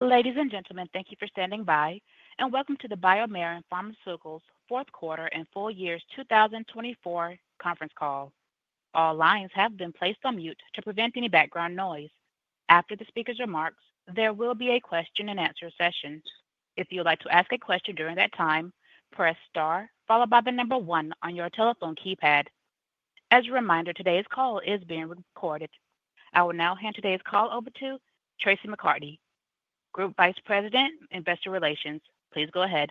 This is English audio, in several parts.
Ladies and gentlemen, thank you for standing by, and welcome to the BioMarin Pharmaceutical 4th Quarter and Full Year 2024 Conference Call. All lines have been placed on mute to prevent any background noise. After the speaker's remarks, there will be a question-and-answer session. If you would like to ask a question during that time, press star, followed by the number one on your telephone keypad. As a reminder, today's call is being recorded. I will now hand today's call over to Traci McCarty, Group Vice President, Investor Relations. Please go ahead.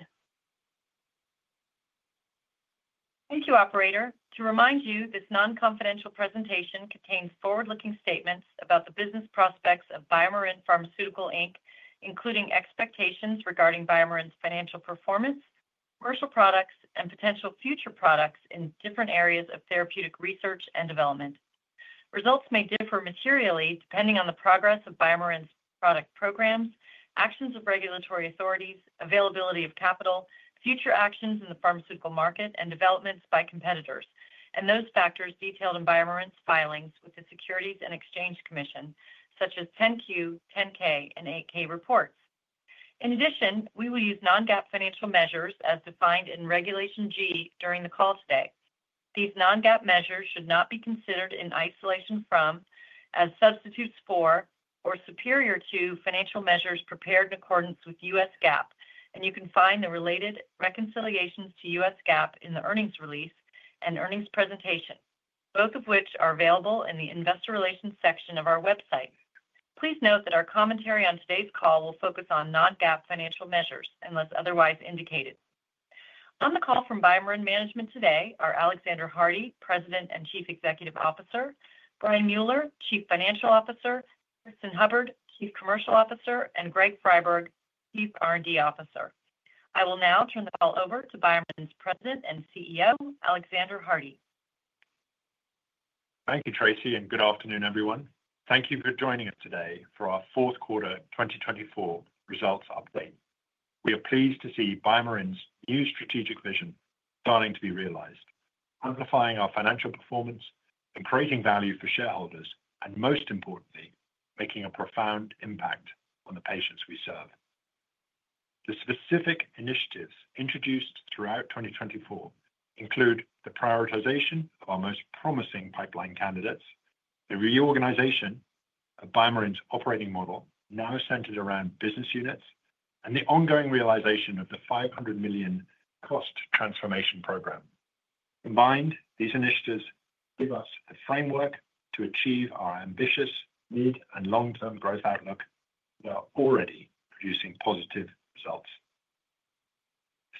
Thank you, Operator. To remind you, this non-confidential presentation contains forward-looking statements about the business prospects of BioMarin Pharmaceutical, Inc., including expectations regarding BioMarin's financial performance, commercial products, and potential future products in different areas of therapeutic research and development. Results may differ materially depending on the progress of BioMarin's product programs, actions of regulatory authorities, availability of capital, future actions in the pharmaceutical market, and developments by competitors, and those factors detailed in BioMarin's filings with the Securities and Exchange Commission, such as 10-Q, 10-K, and 8-K reports. In addition, we will use non-GAAP financial measures as defined in Regulation G during the call today. These non-GAAP measures should not be considered in isolation from, as substitutes for, or superior to financial measures prepared in accordance with U.S. GAAP, and you can find the related reconciliations to U.S. GAAP in the earnings release and earnings presentation, both of which are available in the Investor Relations section of our website. Please note that our commentary on today's call will focus on non-GAAP financial measures unless otherwise indicated. On the call from BioMarin Management today are Alexander Hardy, President and Chief Executive Officer, Brian Mueller, Chief Financial Officer, Cristin Hubbard, Chief Commercial Officer, and Greg Friberg, Chief R&D Officer. I will now turn the call over to BioMarin's President and CEO, Alexander Hardy. Thank you, Traci, and good afternoon, everyone. Thank you for joining us today for our4th Quarter 2024 results update. We are pleased to see BioMarin's new strategic vision starting to be realized, amplifying our financial performance, creating value for shareholders, and most importantly, making a profound impact on the patients we serve. The specific initiatives introduced throughout 2024 include the prioritization of our most promising pipeline candidates, the reorganization of BioMarin's operating model, now centered around business units, and the ongoing realization of the $500 million cost transformation program. Combined, these initiatives give us the framework to achieve our ambitious mid-term and long-term growth outlook while already producing positive results.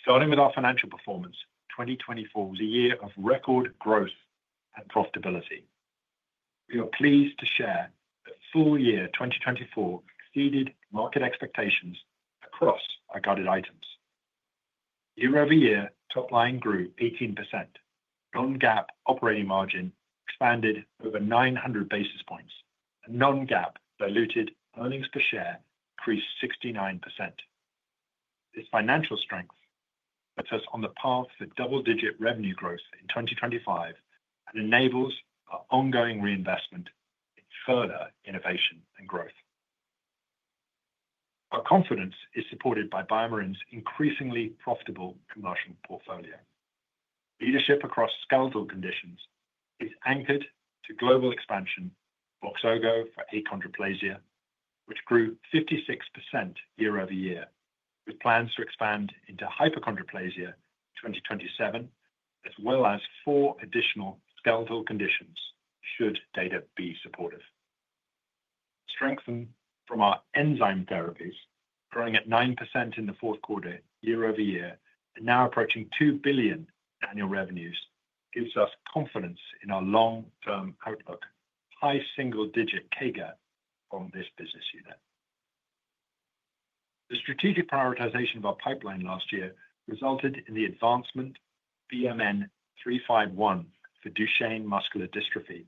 Starting with our financial performance, 2024 was a year of record growth and profitability. We are pleased to share that full year 2024 exceeded market expectations across our guided items. Year-over-year, top line grew 18%, non-GAAP operating margin expanded over 900 basis points, and non-GAAP diluted earnings per share increased 69%. This financial strength puts us on the path to double-digit revenue growth in 2025 and enables our ongoing reinvestment in further innovation and growth. Our confidence is supported by BioMarin's increasingly profitable commercial portfolio. Leadership across skeletal conditions is anchored to global expansion for Voxzogo for achondroplasia, which grew 56% year-over-year, with plans to expand into hypochondroplasia in 2027, as well as four additional skeletal conditions should data be supportive. Strengthened from our enzyme therapies, growing at 9% in the 4th quarter year-over-year, and now approaching $2 billion annual revenues, gives us confidence in our long-term outlook, high single-digit GAAP on this business unit. The strategic prioritization of our pipeline last year resulted in the advancement of BMN 351 for Duchenne muscular dystrophy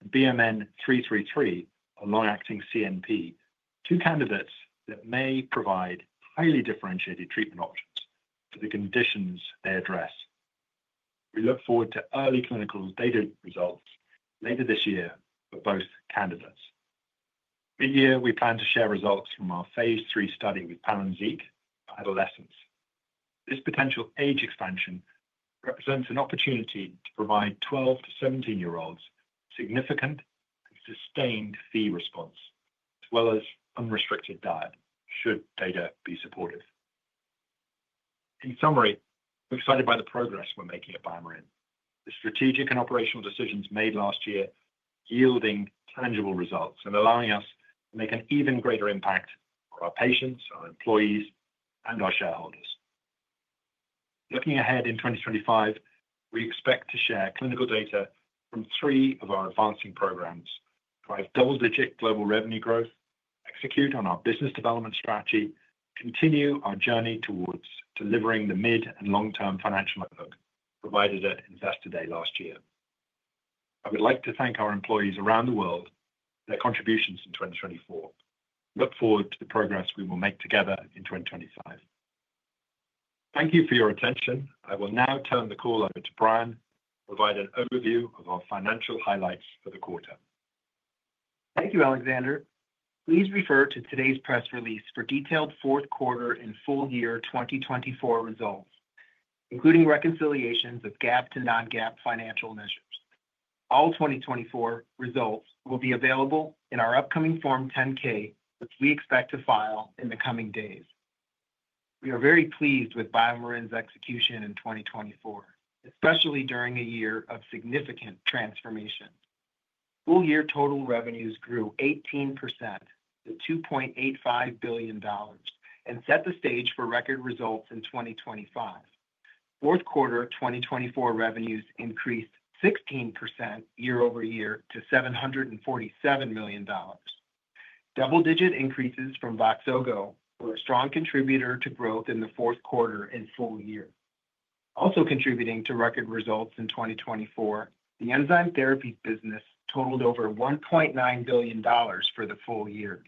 and BMN 333 for long-acting CNP, two candidates that may provide highly differentiated treatment options for the conditions they address. We look forward to early clinical data results later this year for both candidates. Mid-year, we plan to share results from our phase three study with Palynziq for adolescents. This potential age expansion represents an opportunity to provide 12 to 17-year-olds significant and sustained Phe response, as well as unrestricted diet, should data be supportive. In summary, we're excited by the progress we're making at BioMarin. The strategic and operational decisions made last year are yielding tangible results and allowing us to make an even greater impact on our patients, our employees, and our shareholders. Looking ahead in 2025, we expect to share clinical data from three of our advancing programs, drive double-digit global revenue growth, execute on our business development strategy, and continue our journey towards delivering the mid- and long-term financial outlook provided at Investor Day last year. I would like to thank our employees around the world for their contributions in 2024. We look forward to the progress we will make together in 2025. Thank you for your attention. I will now turn the call over to Brian to provide an overview of our financial highlights for the quarter. Thank you, Alexander. Please refer to today's press release for detailed 4th quarter and full year 2024 results, including reconciliations of GAAP to non-GAAP financial measures. All 2024 results will be available in our upcoming Form 10-K, which we expect to file in the coming days. We are very pleased with BioMarin's execution in 2024, especially during a year of significant transformation. Full year total revenues grew 18% to $2.85 billion and set the stage for record results in 2025. 4th quarter 2024 revenues increased 16% year-over-year to $747 million. Double-digit increases from Voxzogo were a strong contributor to growth in the 4th quarter and full year. Also contributing to record results in 2024, the enzyme therapy business totaled over $1.9 billion for the full year,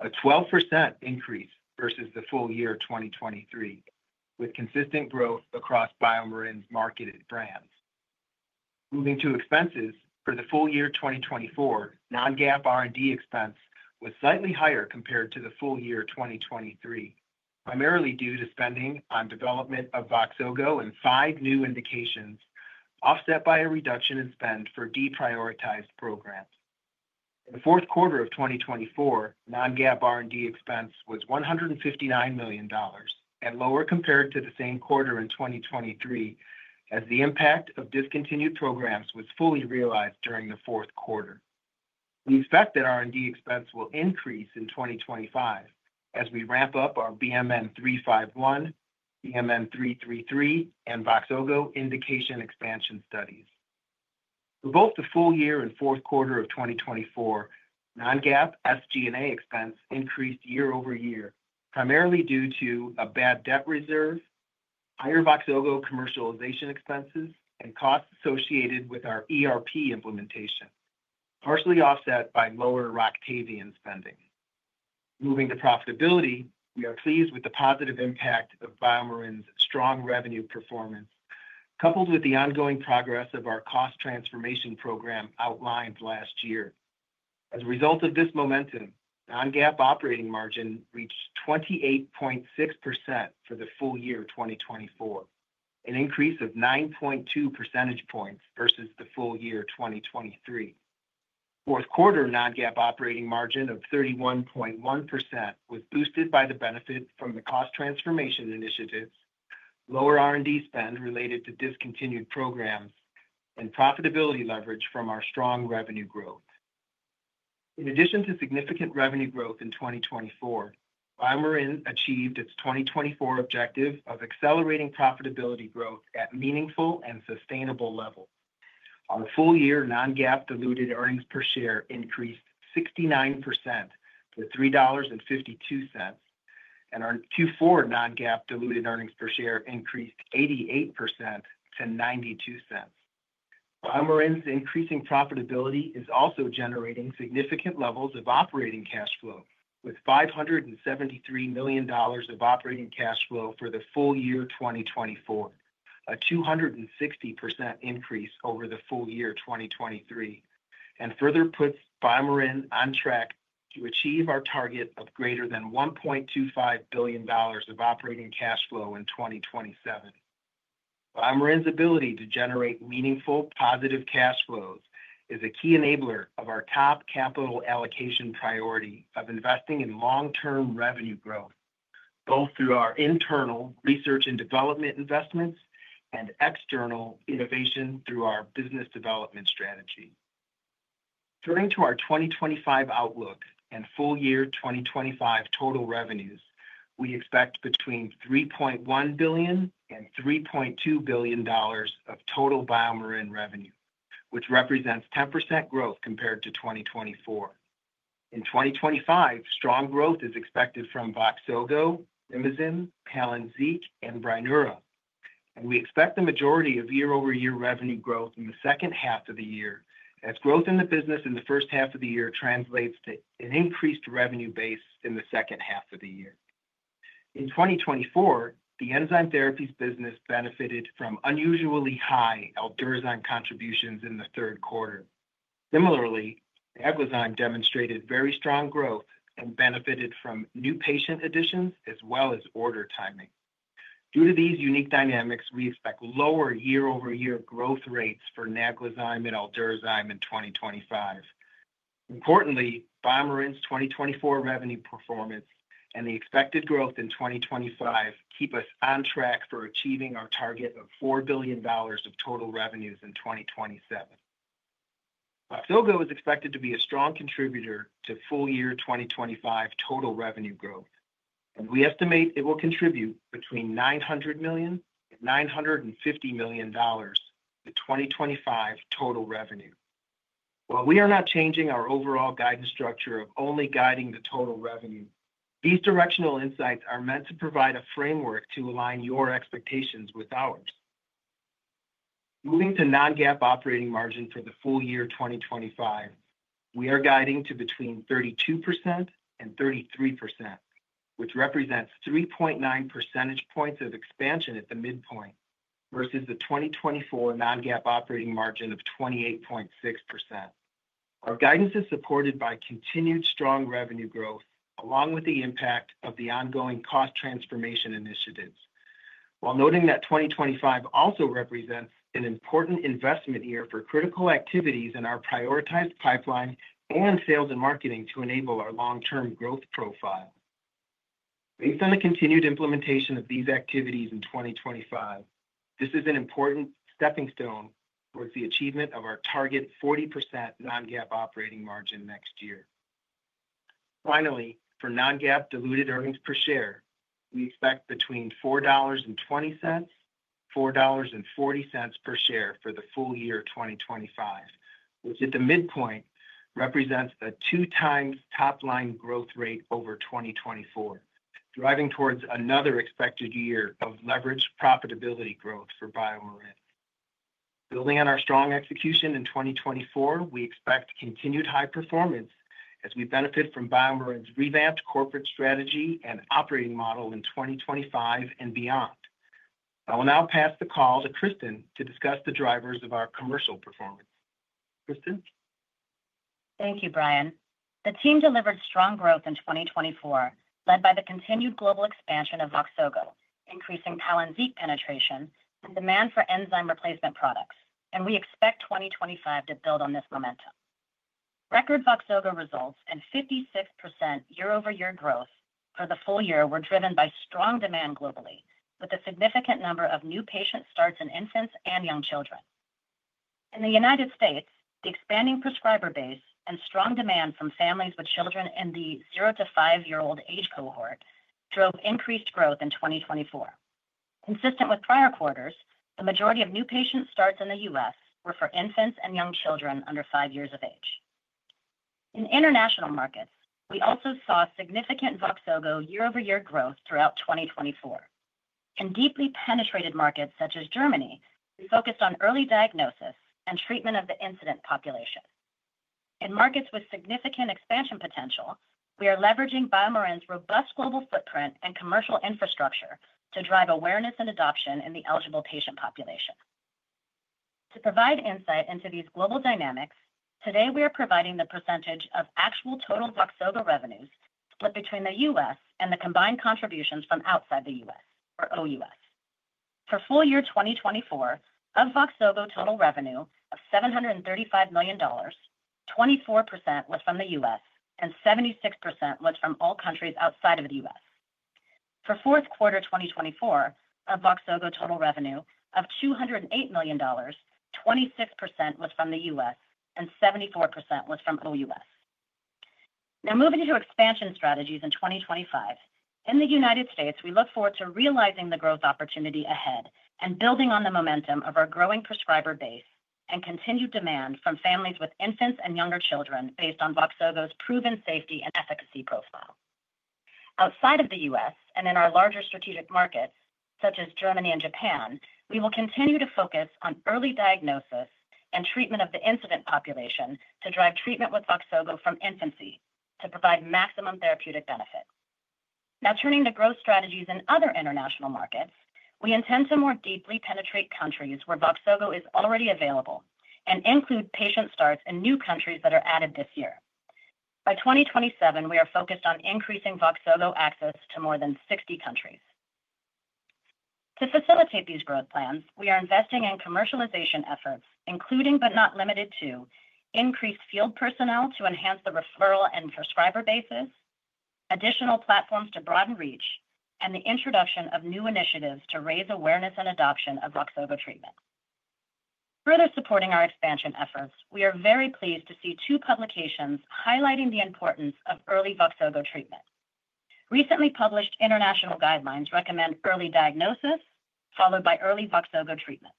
a 12% increase versus the full year 2023, with consistent growth across BioMarin's marketed brands. Moving to expenses, for the full year 2024, non-GAAP R&D expense was slightly higher compared to the full year 2023, primarily due to spending on development of Voxzogo and five new indications, offset by a reduction in spend for deprioritized programs. In the 4th quarter of 2024, non-GAAP R&D expense was $159 million, and lower compared to the same quarter in 2023, as the impact of discontinued programs was fully realized during the 4th quarter. We expect that R&D expense will increase in 2025 as we ramp up our BMN 351, BMN 333, and Voxzogo indication expansion studies. For both the full year and 4th quarter of 2024, non-GAAP SG&A expense increased year-over-year, primarily due to a bad debt reserve, higher Voxzogo commercialization expenses, and costs associated with our ERP implementation, partially offset by lower Roctavian spending. Moving to profitability, we are pleased with the positive impact of BioMarin's strong revenue performance, coupled with the ongoing progress of our cost transformation program outlined last year. As a result of this momentum, non-GAAP operating margin reached 28.6% for the full year 2024, an increase of 9.2 percentage points versus the full year 2023. 4th quarter non-GAAP operating margin of 31.1% was boosted by the benefit from the cost transformation initiatives, lower R&D spend related to discontinued programs, and profitability leverage from our strong revenue growth. In addition to significant revenue growth in 2024, BioMarin achieved its 2024 objective of accelerating profitability growth at meaningful and sustainable levels. Our full year non-GAAP diluted earnings per share increased 69% to $3.52, and our Q4 non-GAAP diluted earnings per share increased 88% to $0.92. BioMarin's increasing profitability is also generating significant levels of operating cash flow, with $573 million of operating cash flow for the full year 2024, a 260% increase over the full year 2023, and further puts BioMarin on track to achieve our target of greater than $1.25 billion of operating cash flow in 2027. BioMarin's ability to generate meaningful positive cash flows is a key enabler of our top capital allocation priority of investing in long-term revenue growth, both through our internal research and development investments and external innovation through our business development strategy. Turning to our 2025 outlook and full year 2025 total revenues, we expect between $3.1 billion and $3.2 billion of total BioMarin revenue, which represents 10% growth compared to 2024. In 2025, strong growth is expected from Voxzogo, Vimizim, Palynziq, and Brineura, and we expect the majority of year-over-year revenue growth in the 2nd half of the year, as growth in the business in the 1st half of the year translates to an increased revenue base in the 2nd half of the year. In 2024, the enzyme therapies business benefited from unusually high Aldurazyme contributions in the 3rd quarter. Similarly, Naglazyme demonstrated very strong growth and benefited from new patient additions as well as order timing. Due to these unique dynamics, we expect lower year-over-year growth rates for Naglazyme and Aldurazyme in 2025. Importantly, BioMarin's 2024 revenue performance and the expected growth in 2025 keep us on track for achieving our target of $4 billion of total revenues in 2027. Voxzogo is expected to be a strong contributor to full year 2025 total revenue growth, and we estimate it will contribute between $900 million and $950 million to 2025 total revenue. While we are not changing our overall guidance structure of only guiding the total revenue, these directional insights are meant to provide a framework to align your expectations with ours. Moving to non-GAAP operating margin for the full year 2025, we are guiding to between 32% and 33%, which represents 3.9 percentage points of expansion at the midpoint versus the 2024 non-GAAP operating margin of 28.6%. Our guidance is supported by continued strong revenue growth, along with the impact of the ongoing cost transformation initiatives, while noting that 2025 also represents an important investment year for critical activities in our prioritized pipeline and sales and marketing to enable our long-term growth profile. Based on the continued implementation of these activities in 2025, this is an important stepping stone towards the achievement of our target 40% non-GAAP operating margin next year. Finally, for non-GAAP diluted earnings per share, we expect between $4.20 and $4.40 per share for the full year 2025, which at the midpoint represents a two-times top-line growth rate over 2024, driving towards another expected year of leveraged profitability growth for BioMarin. Building on our strong execution in 2024, we expect continued high performance as we benefit from BioMarin's revamped corporate strategy and operating model in 2025 and beyond. I will now pass the call to Cristin to discuss the drivers of our commercial performance. Cristin? Thank you, Brian. The team delivered strong growth in 2024, led by the continued global expansion of Voxzogo, increasing Palynziq penetration, and demand for enzyme replacement products, and we expect 2025 to build on this momentum. Record Voxzogo results and 56% year-over-year growth for the full year were driven by strong demand globally, with a significant number of new patient starts in infants and young children. In the United States, the expanding prescriber base and strong demand from families with children in the 0 to 5-year-old age cohort drove increased growth in 2024. Consistent with prior quarters, the majority of new patient starts in the U.S. were for infants and young children under five years of age. In international markets, we also saw significant Voxzogo year-over-year growth throughout 2024. In deeply penetrated markets such as Germany, we focused on early diagnosis and treatment of the incident population. In markets with significant expansion potential, we are leveraging BioMarin's robust global footprint and commercial infrastructure to drive awareness and adoption in the eligible patient population. To provide insight into these global dynamics, today we are providing the percentage of actual total Voxzogo revenues split between the U.S. and the combined contributions from outside the U.S., or O.U.S. For full year 2024, of Voxzogo total revenue of $735 million, 24% was from the U.S. and 76% was from all countries outside of the U.S. For 4th quarter 2024, of Voxzogo total revenue of $208 million, 26% was from the U.S. and 74% was from O.U.S. Now, moving to expansion strategies in 2025, in the United States, we look forward to realizing the growth opportunity ahead and building on the momentum of our growing prescriber base and continued demand from families with infants and younger children based on Voxzogo's proven safety and efficacy profile. Outside of the U.S. and in our larger strategic markets, such as Germany and Japan, we will continue to focus on early diagnosis and treatment of the infant population to drive treatment with Voxzogo from infancy to provide maximum therapeutic benefit. Now, turning to growth strategies in other international markets, we intend to more deeply penetrate countries where Voxzogo is already available and include patient starts in new countries that are added this year. By 2027, we are focused on increasing Voxzogo access to more than 60 countries. To facilitate these growth plans, we are investing in commercialization efforts, including but not limited to increased field personnel to enhance the referral and prescriber bases, additional platforms to broaden reach, and the introduction of new initiatives to raise awareness and adoption of Voxzogo treatment. Further supporting our expansion efforts, we are very pleased to see two publications highlighting the importance of early Voxzogo treatment. Recently published international guidelines recommend early diagnosis followed by early Voxzogo treatment.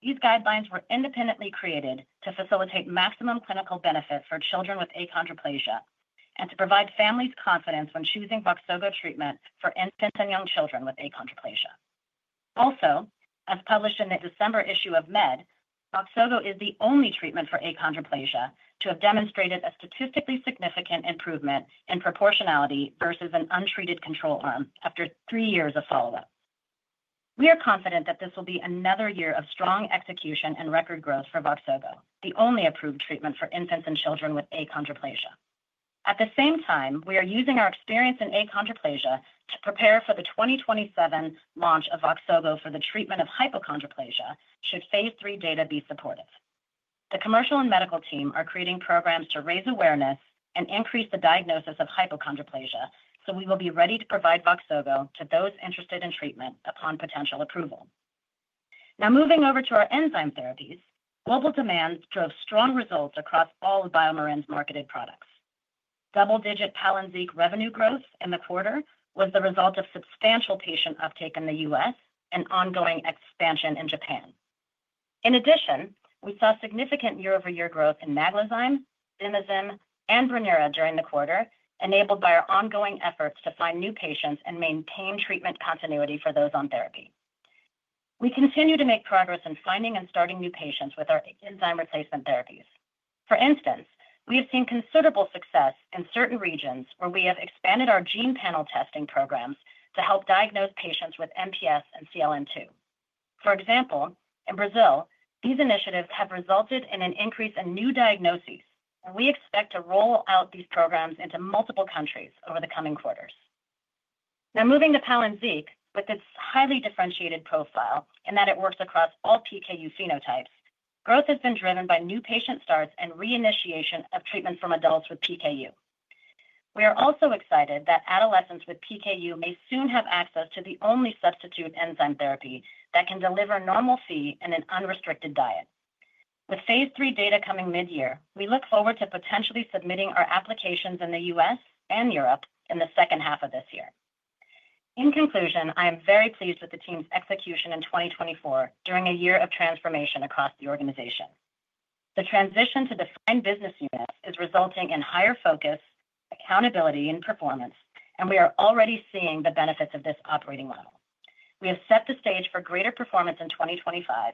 These guidelines were independently created to facilitate maximum clinical benefit for children with achondroplasia and to provide families confidence when choosing Voxzogo treatment for infants and young children with achondroplasia. Also, as published in the December issue of Med, Voxzogo is the only treatment for achondroplasia to have demonstrated a statistically significant improvement in proportionality versus an untreated control arm after three years of follow-up. We are confident that this will be another year of strong execution and record growth for Voxzogo, the only approved treatment for infants and children with achondroplasia. At the same time, we are using our experience in achondroplasia to prepare for the 2027 launch of Voxzogo for the treatment of hypochondroplasia should phase III data be supportive. The commercial and medical team are creating programs to raise awareness and increase the diagnosis of hypochondroplasia, so we will be ready to provide Voxzogo to those interested in treatment upon potential approval. Now, moving over to our enzyme therapies, global demand drove strong results across all of BioMarin's marketed products. Double-digit Palynziq revenue growth in the quarter was the result of substantial patient uptake in the U.S. and ongoing expansion in Japan. In addition, we saw significant year-over-year growth in Naglazyme, Vimizim, and Brineura during the quarter, enabled by our ongoing efforts to find new patients and maintain treatment continuity for those on therapy. We continue to make progress in finding and starting new patients with our enzyme replacement therapies. For instance, we have seen considerable success in certain regions where we have expanded our gene panel testing programs to help diagnose patients with MPS and CLN2. For example, in Brazil, these initiatives have resulted in an increase in new diagnoses, and we expect to roll out these programs into multiple countries over the coming quarters. Now, moving to Palynziq, with its highly differentiated profile in that it works across all PKU phenotypes, growth has been driven by new patient starts and reinitiation of treatment from adults with PKU. We are also excited that adolescents with PKU may soon have access to the only substitute enzyme therapy that can deliver normal Phe in an unrestricted diet. With phase three data coming mid-year, we look forward to potentially submitting our applications in the U.S. and Europe in the 2nd half of this year. In conclusion, I am very pleased with the team's execution in 2024 during a year of transformation across the organization. The transition to defined business units is resulting in higher focus, accountability, and performance, and we are already seeing the benefits of this operating model. We have set the stage for greater performance in 2025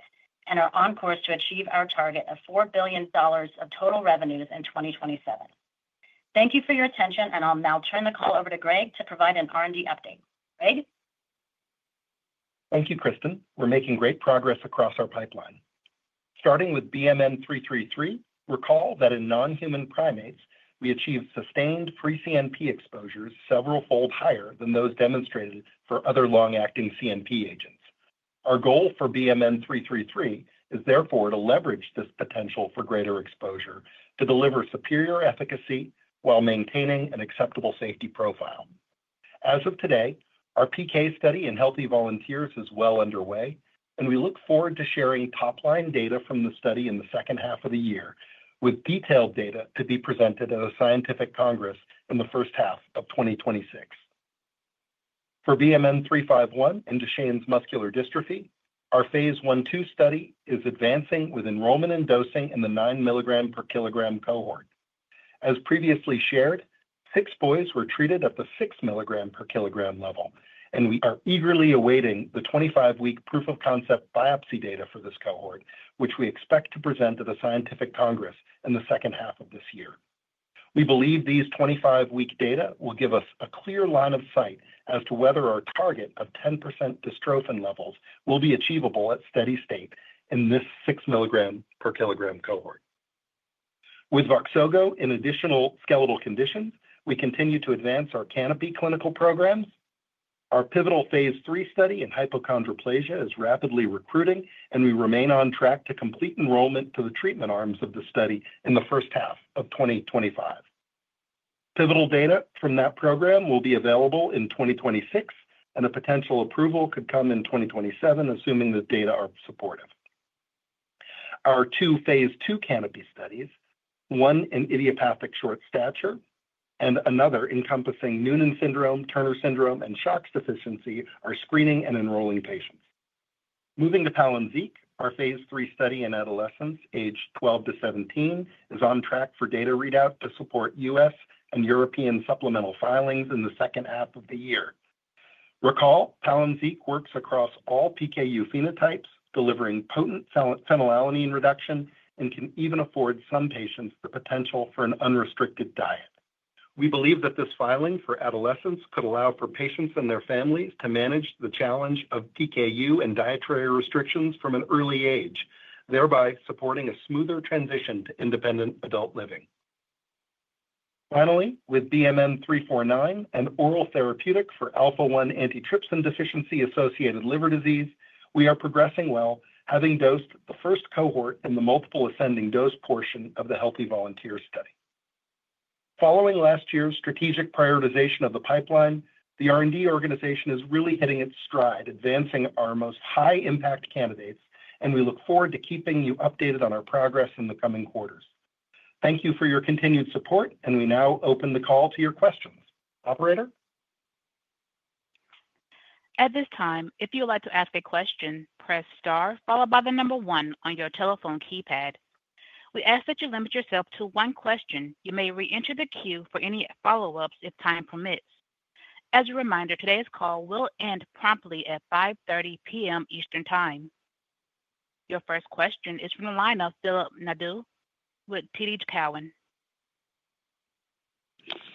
and are on course to achieve our target of $4 billion of total revenues in 2027. Thank you for your attention, and I'll now turn the call over to Greg to provide an R&D update. Greg? Thank you, Cristin. We're making great progress across our pipeline. Starting with BMN 333, recall that in non-human primates, we achieved sustained free CNP exposures several fold higher than those demonstrated for other long-acting CNP agents. Our goal for BMN 333 is therefore to leverage this potential for greater exposure to deliver superior efficacy while maintaining an acceptable safety profile. As of today, our PK study in healthy volunteers is well underway, and we look forward to sharing top-line data from the study in the 2nd half of the year, with detailed data to be presented at a scientific congress in the 1st half of 2026. For BMN 351 and Duchenne muscular dystrophy, our phase one-two study is advancing with enrollment and dosing in the 9mg/kg cohort. As previously shared, six boys were treated at the 6mg/kg level, and we are eagerly awaiting the 25-week proof of concept biopsy data for this cohort, which we expect to present at a scientific congress in the 2nd half of this year. We believe these 25-week data will give us a clear line of sight as to whether our target of 10% dystrophin levels will be achievable at steady state in this 6mg/kg cohort. With Voxzogo, in additional skeletal conditions, we continue to advance our Canopy clinical programs. Our pivotal phase III study in hypochondroplasia is rapidly recruiting, and we remain on track to complete enrollment to the treatment arms of the study in the 1st half of 2025. Pivotal data from that program will be available in 2026, and a potential approval could come in 2027, assuming the data are supportive. Our two phase II Canopy studies, one in idiopathic short stature and another encompassing Noonan syndrome, Turner syndrome, and SHOX deficiency, are screening and enrolling patients. Moving to Palynziq, our phase III study in adolescents, age 12 to 17, is on track for data readout to support U.S. and European supplemental filings in the 2nd half of the year. Recall, Palynziq works across all PKU phenotypes, delivering potent phenylalanine reduction and can even afford some patients the potential for an unrestricted diet. We believe that this filing for adolescents could allow for patients and their families to manage the challenge of PKU and dietary restrictions from an early age, thereby supporting a smoother transition to independent adult living. Finally, with BMN 349, an oral therapeutic for alpha-1-antitrypsin deficiency-associated liver disease, we are progressing well, having dosed the first cohort in the multiple ascending dose portion of the healthy volunteer study. Following last year's strategic prioritization of the pipeline, the R&D organization is really hitting its stride, advancing our most high-impact candidates, and we look forward to keeping you updated on our progress in the coming quarters. Thank you for your continued support, and we now open the call to your questions. Operator? At this time, if you would like to ask a question, press star followed by the number one on your telephone keypad. We ask that you limit yourself to one question. You may re-enter the queue for any follow-ups if time permits. As a reminder, today's call will end promptly at 5:30 P.M. Eastern Time. Your first question is from the line of Philip Nadeau with TD Cowen.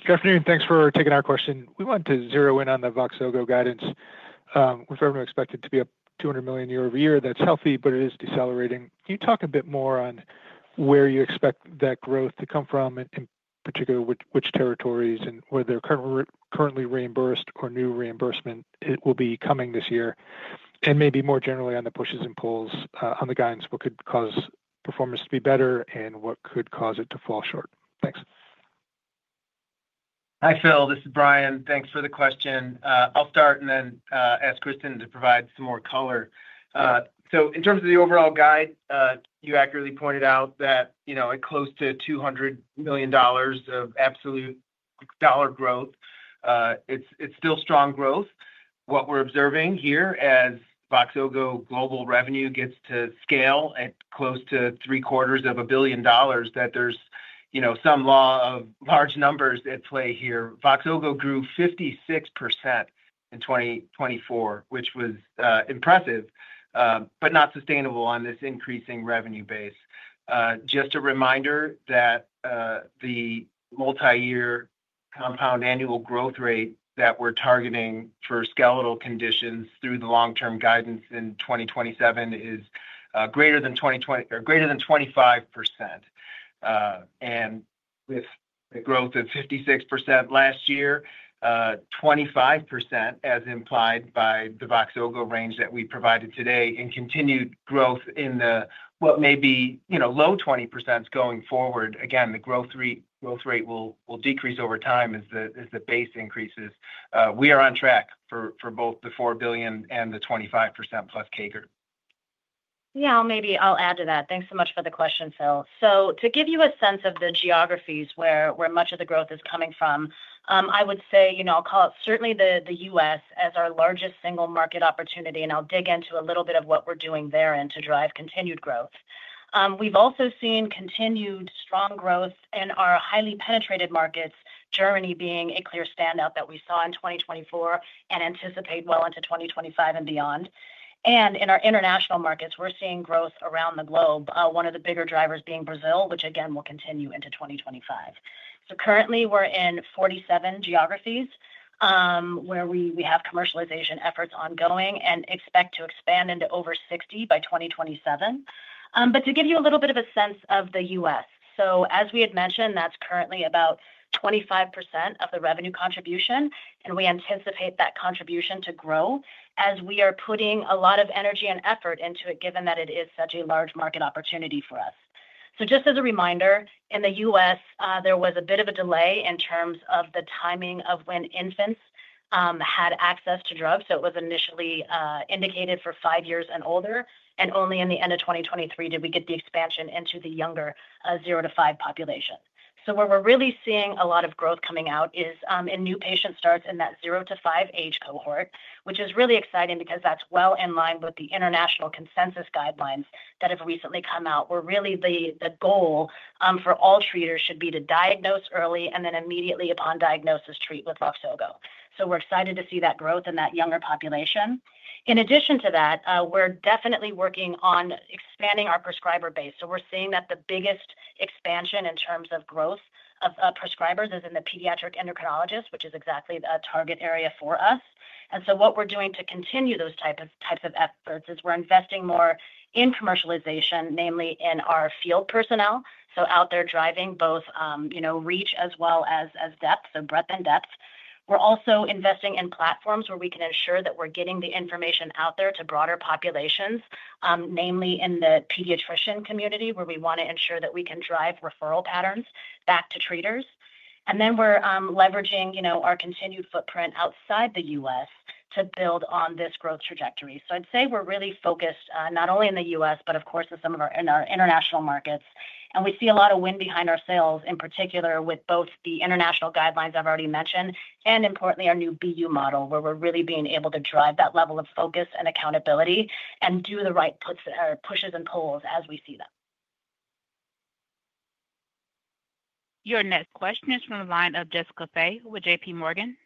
Good afternoon. Thanks for taking our question. We want to zero in on the Voxzogo guidance. We've never expected to be up $200 million year-over-year. That's healthy, but it is decelerating. Can you talk a bit more on where you expect that growth to come from, in particular, which territories and whether they're currently reimbursed or new reimbursement will be coming this year, and maybe more generally on the pushes and pulls on the guidance, what could cause performance to be better and what could cause it to fall short? Thanks. Hi, Phil. This is Brian. Thanks for the question. I'll start and then ask Cristin to provide some more color. So in terms of the overall guide, you accurately pointed out that close to $200 million of absolute dollar growth, it's still strong growth. What we're observing here as Voxzogo global revenue gets to scale at close to $750 million, that there's some law of large numbers at play here. Voxzogo grew 56% in 2024, which was impressive, but not sustainable on this increasing revenue base. Just a reminder that the multi-year compound annual growth rate that we're targeting for skeletal conditions through the long-term guidance in 2027 is greater than 25%. With the growth of 56% last year, 25%, as implied by the Voxzogo range that we provided today, and continued growth in the what may be low 20% going forward, again, the growth rate will decrease over time as the base increases. We are on track for both the $4 billion and the 25% plus CAGR. Yeah, maybe I'll add to that. Thanks so much for the question, Phil. So to give you a sense of the geographies where much of the growth is coming from, I would say, I'll call it certainly the U.S. as our largest single market opportunity, and I'll dig into a little bit of what we're doing there and to drive continued growth. We've also seen continued strong growth in our highly penetrated markets, Germany being a clear standout that we saw in 2024 and anticipate well into 2025 and beyond, and in our international markets, we're seeing growth around the globe, one of the bigger drivers being Brazil, which again, will continue into 2025, so currently, we're in 47 geographies where we have commercialization efforts ongoing and expect to expand into over 60 by 2027. But to give you a little bit of a sense of the U.S., so as we had mentioned, that's currently about 25% of the revenue contribution, and we anticipate that contribution to grow as we are putting a lot of energy and effort into it, given that it is such a large market opportunity for us. So just as a reminder, in the U.S., there was a bit of a delay in terms of the timing of when infants had access to drugs. So it was initially indicated for five years and older, and only in the end of 2023 did we get the expansion into the younger 0-5 years old population. Where we're really seeing a lot of growth coming out is in new patient starts in that 0-5 years age cohort, which is really exciting because that's well in line with the international consensus guidelines that have recently come out, where really the goal for all treaters should be to diagnose early and then immediately upon diagnosis treat with Voxzogo. We're excited to see that growth in that younger population. In addition to that, we're definitely working on expanding our prescriber base. We're seeing that the biggest expansion in terms of growth of prescribers is in the pediatric endocrinologists, which is exactly the target area for us. What we're doing to continue those types of efforts is we're investing more in commercialization, namely in our field personnel. Out there driving both reach as well as depth, so breadth and depth. We're also investing in platforms where we can ensure that we're getting the information out there to broader populations, namely in the pediatrician community, where we want to ensure that we can drive referral patterns back to treaters. And then we're leveraging our continued footprint outside the U.S. to build on this growth trajectory. So I'd say we're really focused not only in the U.S., but of course in some of our international markets. And we see a lot of wind behind our sails, in particular with both the international guidelines I've already mentioned and, importantly, our new BU model, where we're really being able to drive that level of focus and accountability and do the right pushes and pulls as we see them. Your next question is from the line of Jessica Fye with J.P. Morgan.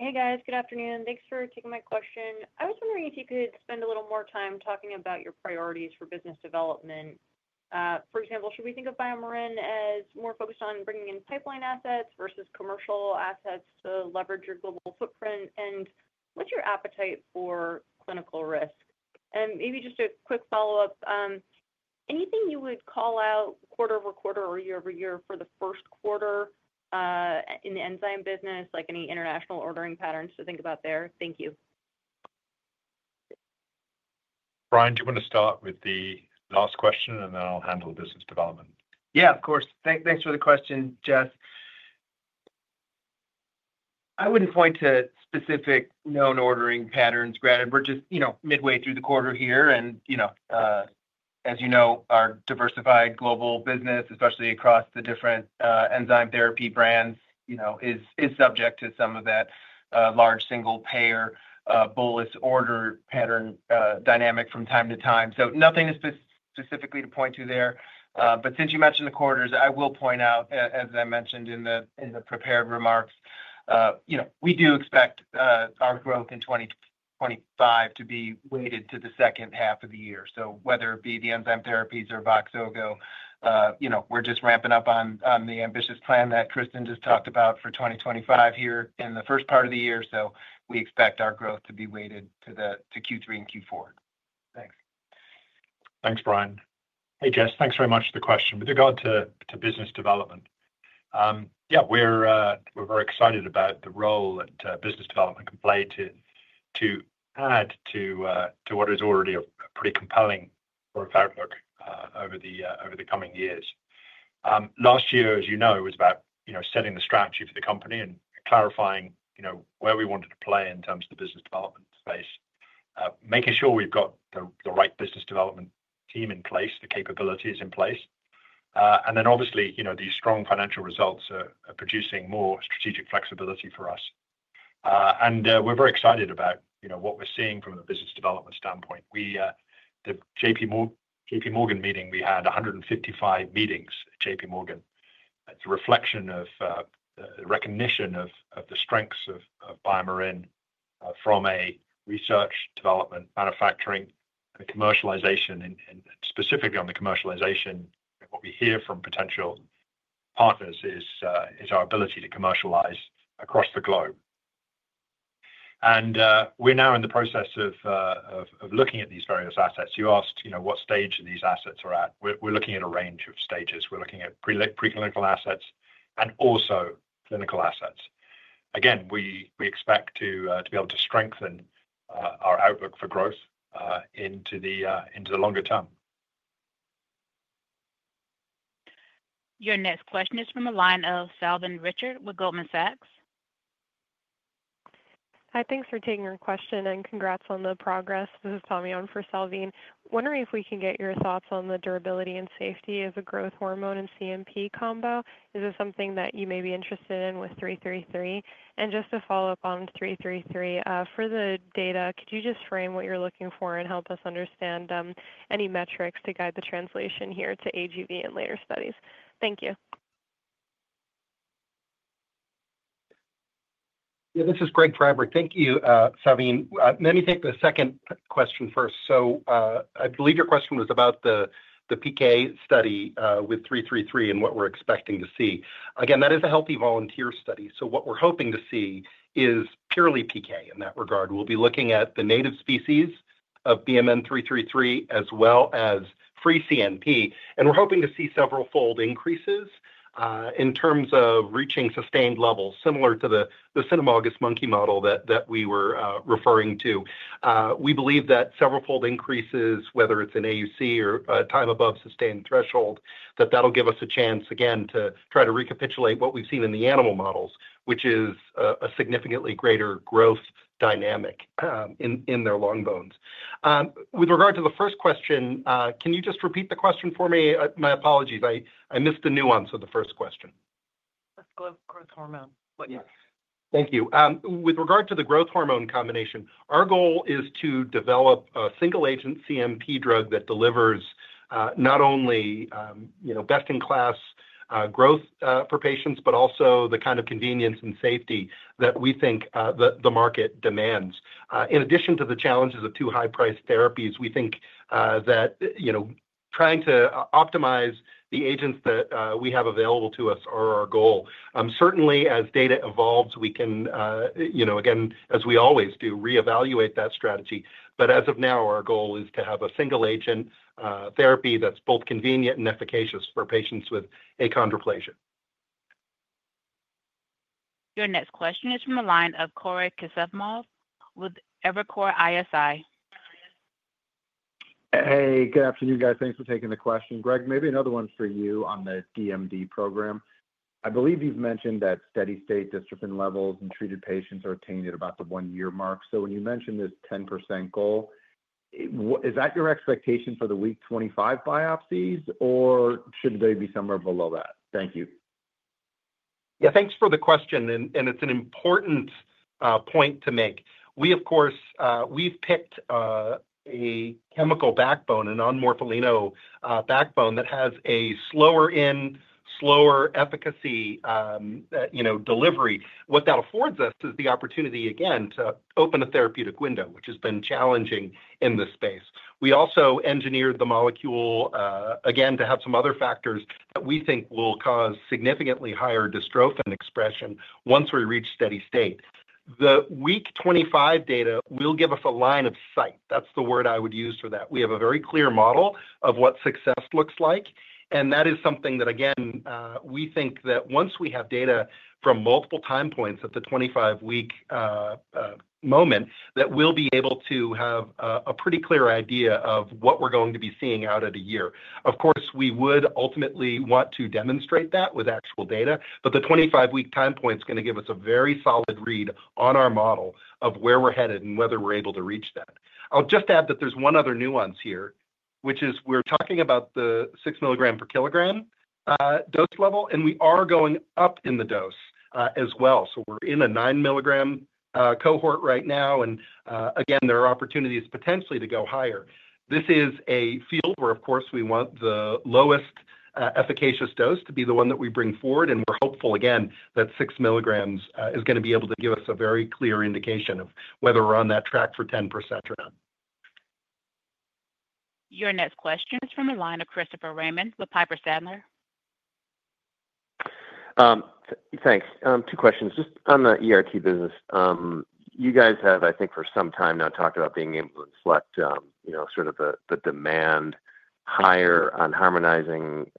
Hey, guys. Good afternoon. Thanks for taking my question. I was wondering if you could spend a little more time talking about your priorities for business development. For example, should we think of BioMarin as more focused on bringing in pipeline assets versus commercial assets to leverage your global footprint? And what's your appetite for clinical risk? And maybe just a quick follow-up, anything you would call out quarter-over-quarter or year-over-year for the 1st quarter in the enzyme business, like any international ordering patterns to think about there? Thank you. Brian, do you want to start with the last question, and then I'll handle business development? Yeah, of course. Thanks for the question, Jess. I wouldn't point to specific known ordering patterns. Granted, we're just midway through the quarter here, and as you know, our diversified global business, especially across the different enzyme therapy brands, is subject to some of that large single payer bolus order pattern dynamic from time to time, so nothing specifically to point to there, but since you mentioned the quarters, I will point out, as I mentioned in the prepared remarks, we do expect our growth in 2025 to be weighted to the 2nd half of the year. So whether it be the enzyme therapies or Voxzogo, we're just ramping up on the ambitious plan that Cristin just talked about for 2025 here in the first part of the year, so we expect our growth to be weighted to Q3 and Q4. Thanks. Thanks, Brian. Hey, Jess, thanks very much for the question. With regard to business development, yeah, we're very excited about the role that business development can play to add to what is already a pretty compelling growth outlook over the coming years. Last year, as you know, it was about setting the strategy for the company and clarifying where we wanted to play in terms of the business development space, making sure we've got the right business development team in place, the capabilities in place. And then obviously, these strong financial results are producing more strategic flexibility for us. And we're very excited about what we're seeing from a business development standpoint. The J.P. Morgan meeting, we had 155 meetings at J.P. Morgan. It's a reflection of the recognition of the strengths of BioMarin from a research, development, manufacturing, and commercialization, and specifically on the commercialization, what we hear from potential partners is our ability to commercialize across the globe. And we're now in the process of looking at these various assets. You asked what stage these assets are at. We're looking at a range of stages. We're looking at preclinical assets and also clinical assets. Again, we expect to be able to strengthen our outlook for growth into the longer term. Your next question is from the line of Salveen Richter with Goldman Sachs. Hi, thanks for taking our question and congrats on the progress. This is Tommy Owen for Salveen. Wondering if we can get your thoughts on the durability and safety of a growth hormone and CNP combo. Is this something that you may be interested in with 333? And just to follow up on 333, for the data, could you just frame what you're looking for and help us understand any metrics to guide the translation here to AGV and later studies? Thank you. Yeah, this is Greg Friberg. Thank you, Salveen. Let me take the second question first. So I believe your question was about the PK study with 333 and what we're expecting to see. Again, that is a healthy volunteer study. So what we're hoping to see is purely PK in that regard. We'll be looking at the native species of BMN 333 as well as free CNP. And we're hoping to see several-fold increases in terms of reaching sustained levels similar to the cynomolgus monkey model that we were referring to. We believe that several-fold increases, whether it's an AUC or a time above sustained threshold, that that'll give us a chance, again, to try to recapitulate what we've seen in the animal models, which is a significantly greater growth dynamic in their long bones. With regard to the first question, can you just repeat the question for me? My apologies. I missed the nuance of the first question. Growth hormone. Thank you. With regard to the growth hormone combination, our goal is to develop a single-agent CNP drug that delivers not only best-in-class growth for patients, but also the kind of convenience and safety that we think the market demands. In addition to the challenges of too high-priced therapies, we think that trying to optimize the agents that we have available to us are our goal. Certainly, as data evolves, we can, again, as we always do, reevaluate that strategy. But as of now, our goal is to have a single-agent therapy that's both convenient and efficacious for patients with achondroplasia. Your next question is from the line of Cory Kasimov with Evercore ISI. Hey, good afternoon, guys. Thanks for taking the question. Greg, maybe another one for you on the DMD program. I believe you've mentioned that steady-state dystrophin levels in treated patients are attained at about the one-year mark. So when you mentioned this 10% goal, is that your expectation for the week 25 biopsies, or should they be somewhere below that? Thank you. Yeah, thanks for the question. And it's an important point to make. We, of course, we've picked a chemical backbone, a non-morpholino backbone that has a slower in, slower efficacy delivery. What that affords us is the opportunity, again, to open a therapeutic window, which has been challenging in this space. We also engineered the molecule, again, to have some other factors that we think will cause significantly higher dystrophin expression once we reach steady-state. The week 25 data will give us a line of sight. That's the word I would use for that. We have a very clear model of what success looks like. And that is something that, again, we think that once we have data from multiple time points at the 25-week moment, that we'll be able to have a pretty clear idea of what we're going to be seeing out of the year. Of course, we would ultimately want to demonstrate that with actual data, but the 25-week time point is going to give us a very solid read on our model of where we're headed and whether we're able to reach that. I'll just add that there's one other nuance here, which is we're talking about the 6mg/kg dose level, and we are going up in the dose as well. So we're in a 9mg cohort right now. And again, there are opportunities potentially to go higher. This is a field where, of course, we want the lowest efficacious dose to be the one that we bring forward. And we're hopeful, again, that 6mg is going to be able to give us a very clear indication of whether we're on that track for 10% or not. Your next question is from the line of Christopher Raymond with Piper Sandler. Thanks. Two questions. Just on the ERT business, you guys have, I think, for some time now talked about being able to sort of elicit higher demand on harmonizing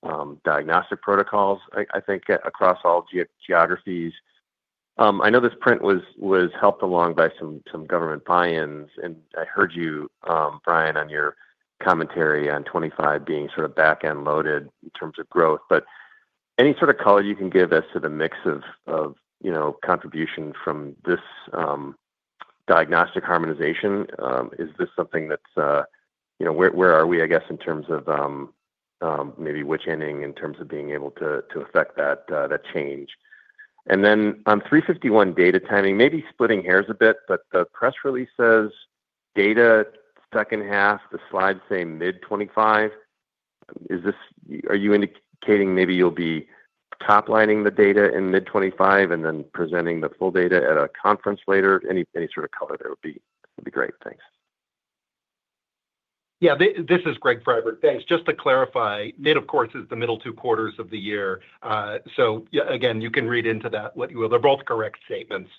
diagnostic protocols, I think, across all geographies. I know this print was helped along by some government buy-ins. And I heard you, Brian, on your commentary on 2025 being sort of back-end loaded in terms of growth. But any sort of color you can give us to the mix of contribution from this diagnostic harmonization. Is this something that's, where are we, I guess, in terms of maybe which regions in terms of being able to affect that change? And then on 351 data timing, maybe splitting hairs a bit, but the press release says data 2nd half, the slide say mid-2025. Are you indicating maybe you'll be toplining the data in mid-2025 and then presenting the full data at a conference later? Any sort of color there would be great. Thanks. Yeah, this is Greg Friberg. Thanks. Just to clarify, mid, of course, is the middle two quarters of the year. So again, you can read into that what you will. They're both correct statements.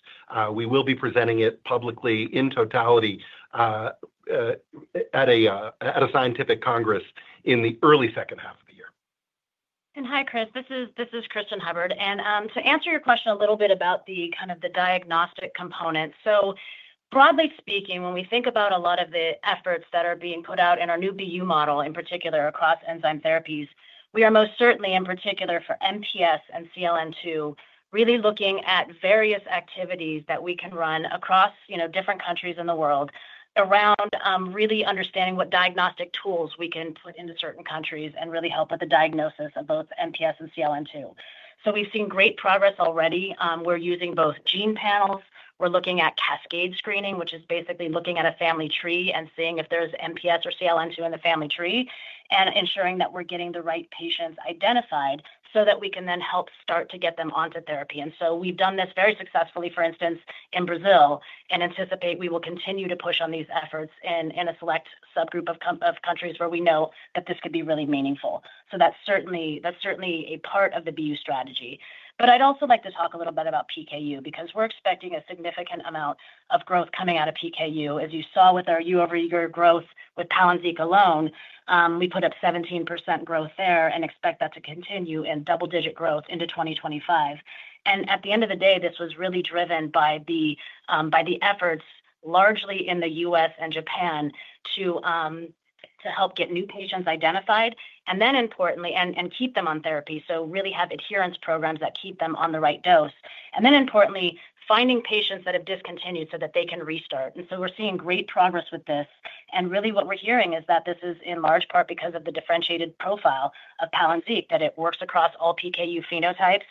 We will be presenting it publicly in totality at a scientific congress in the early 2nd half of the year. Hi, Chris. This is Cristin Hubbard. To answer your question a little bit about the kind of the diagnostic component. Broadly speaking, when we think about a lot of the efforts that are being put out in our new BU model, in particular across enzyme therapies, we are most certainly, in particular for MPS and CLN2, really looking at various activities that we can run across different countries in the world around really understanding what diagnostic tools we can put into certain countries and really help with the diagnosis of both MPS and CLN2. We've seen great progress already. We're using both gene panels. We're looking at cascade screening, which is basically looking at a family tree and seeing if there's MPS or CLN2 in the family tree and ensuring that we're getting the right patients identified so that we can then help start to get them onto therapy, and so we've done this very successfully, for instance, in Brazil, and anticipate we will continue to push on these efforts in a select subgroup of countries where we know that this could be really meaningful, so that's certainly a part of the BU strategy, but I'd also like to talk a little bit about PKU because we're expecting a significant amount of growth coming out of PKU. As you saw with our year-over-year growth with Palynziq alone, we put up 17% growth there and expect that to continue in double-digit growth into 2025. And at the end of the day, this was really driven by the efforts largely in the U.S. and Japan to help get new patients identified and then, importantly, keep them on therapy. So really have adherence programs that keep them on the right dose. And then, importantly, finding patients that have discontinued so that they can restart. And so we're seeing great progress with this. And really what we're hearing is that this is in large part because of the differentiated profile of Palynziq, that it works across all PKU phenotypes.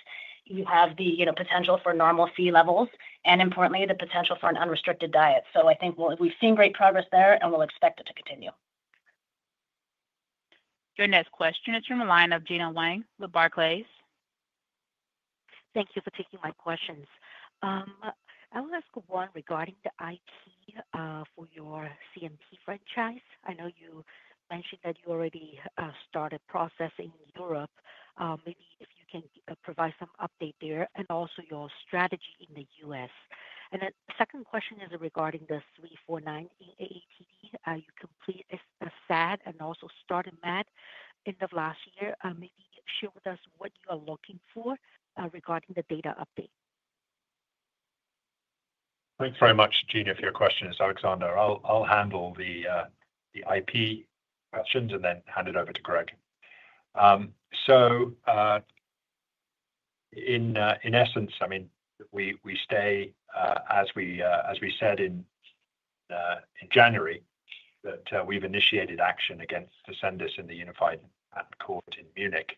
You have the potential for normal Phe levels and, importantly, the potential for an unrestricted diet. So I think we've seen great progress there, and we'll expect it to continue. Your next question is from the line of Gena Wang with Barclays. Thank you for taking my questions. I'll ask one regarding the uptake for your PKU franchise. I know you mentioned that you already started processing in Europe. Maybe if you can provide some update there and also your strategy in the U.S. And then the second question is regarding the 349 AATD. You completed a SAD and also started MAD end of last year. Maybe share with us what you are looking for regarding the data update. Thanks very much, Gena, for your questions, Alexander. I'll handle the IP questions and then hand it over to Greg. So in essence, I mean, we stated, as we said in January, that we've initiated action against the Sandoz in the Unified Court in Munich.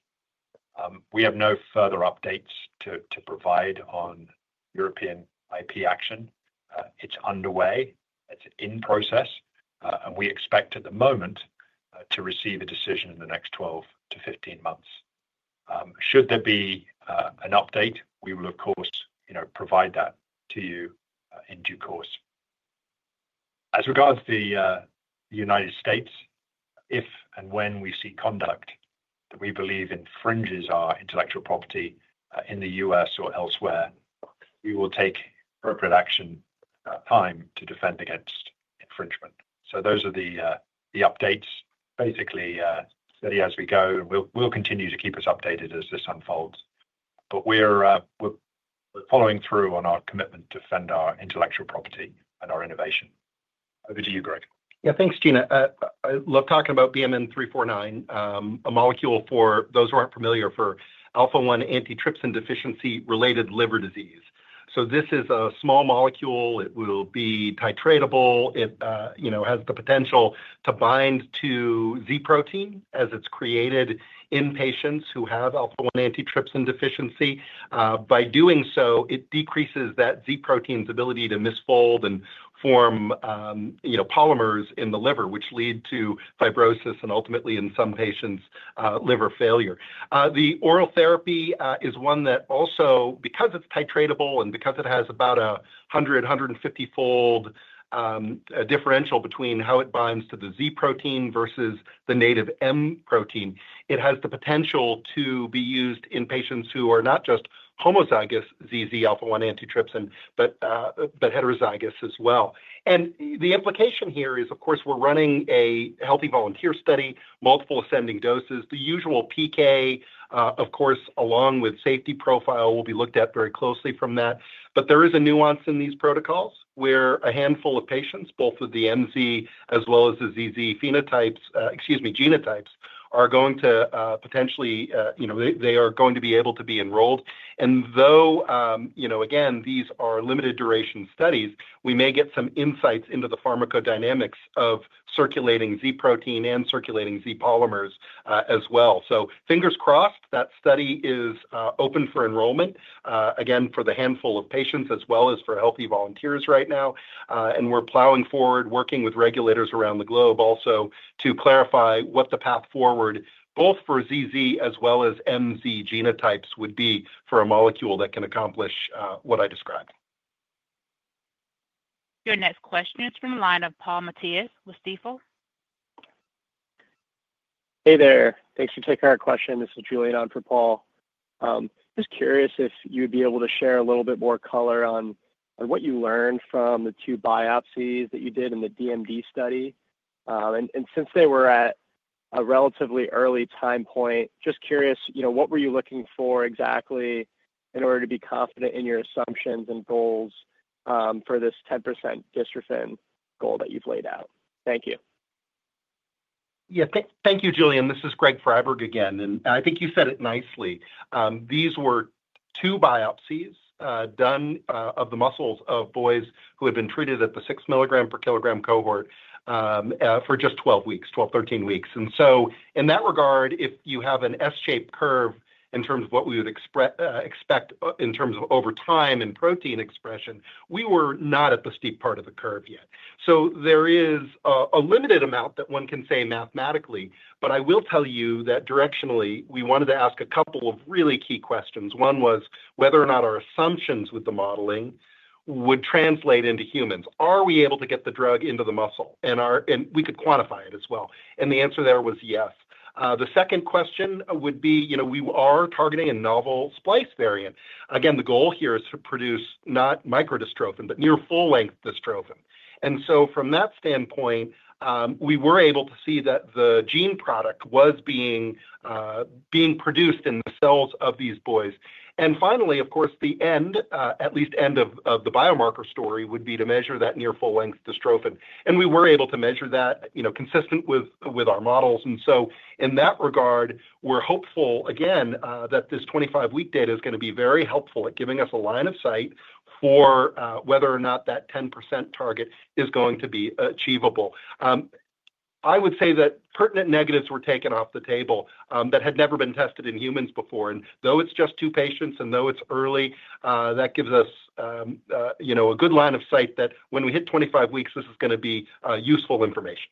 We have no further updates to provide on European IP action. It's underway. It's in process. And we expect at the moment to receive a decision in the next 12 to 15 months. Should there be an update, we will, of course, provide that to you in due course. As regards the United States, if and when we see conduct that we believe infringes our intellectual property in the U.S. or elsewhere, we will take appropriate action in time to defend against infringement. So those are the updates. Basically, steady as we go, and we'll continue to keep you updated as this unfolds. But we're following through on our commitment to defend our intellectual property and our innovation. Over to you, Greg. Yeah, thanks, Gena. I love talking about BMN349, a molecule for those who aren't familiar for alpha-1-antitrypsin deficiency-related liver disease. So this is a small molecule. It will be titratable. It has the potential to bind to Z protein as it's created in patients who have alpha-1-antitrypsin deficiency. By doing so, it decreases that Z protein's ability to misfold and form polymers in the liver, which lead to fibrosis and ultimately, in some patients, liver failure. The oral therapy is one that also, because it's titratable and because it has about a 100- to 150-fold differential between how it binds to the Z protein versus the native M protein, it has the potential to be used in patients who are not just homozygous ZZ alpha-1-antitrypsin, but heterozygous as well. And the implication here is, of course, we're running a healthy volunteer study, multiple ascending doses. The usual PK, of course, along with safety profile, will be looked at very closely from that. But there is a nuance in these protocols where a handful of patients, both of the MZ as well as the ZZ phenotypes, excuse me, genotypes, are going to be able to be enrolled. And though, again, these are limited duration studies, we may get some insights into the pharmacodynamics of circulating Z protein and circulating Z polymers as well. So fingers crossed, that study is open for enrollment, again, for the handful of patients as well as for healthy volunteers right now. And we're plowing forward, working with regulators around the globe also to clarify what the path forward, both for ZZ as well as MZ genotypes, would be for a molecule that can accomplish what I described. Your next question is from the line of Paul Matteis with Stifel. Hey there. Thanks for taking our question. This is Julian on for Paul. Just curious if you'd be able to share a little bit more color on what you learned from the two biopsies that you did in the DMD study. And since they were at a relatively early time point, just curious, what were you looking for exactly in order to be confident in your assumptions and goals for this 10% dystrophin goal that you've laid out? Thank you. Yeah, thank you, Julian. This is Greg Friberg again. And I think you said it nicely. These were two biopsies done of the muscles of boys who had been treated at the 6mg/kg cohort for just 12 weeks, 12, 13 weeks. And so in that regard, if you have an S-shaped curve in terms of what we would expect in terms of over time and protein expression, we were not at the steep part of the curve yet. So there is a limited amount that one can say mathematically, but I will tell you that directionally, we wanted to ask a couple of really key questions. One was whether or not our assumptions with the modeling would translate into humans. Are we able to get the drug into the muscle? And we could quantify it as well. And the answer there was yes. The second question would be, we are targeting a novel splice variant. Again, the goal here is to produce not micro-dystrophin, but near full-length dystrophin. And so from that standpoint, we were able to see that the gene product was being produced in the cells of these boys. And finally, of course, the end, at least end of the biomarker story, would be to measure that near full-length dystrophin. And we were able to measure that consistent with our models. And so in that regard, we're hopeful, again, that this 25-week data is going to be very helpful at giving us a line of sight for whether or not that 10% target is going to be achievable. I would say that pertinent negatives were taken off the table that had never been tested in humans before. Though it's just two patients and though it's early, that gives us a good line of sight that when we hit 25 weeks, this is going to be useful information.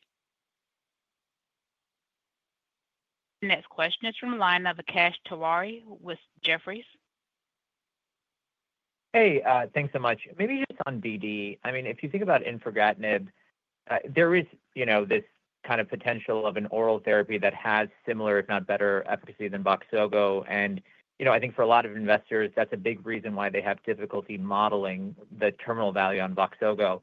Next question is from the line of Akash Tewari with Jefferies. Hey, thanks so much. Maybe just on BD. I mean, if you think about infigratinib, there is this kind of potential of an oral therapy that has similar, if not better, efficacy than Voxzogo. And I think for a lot of investors, that's a big reason why they have difficulty modeling the terminal value on Voxzogo.